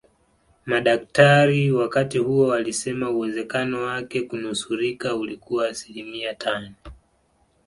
Madaktari wakati huo walisema uwezekano wake kunusurika ulikuwa asilimia tano